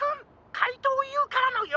かいとうＵからのよ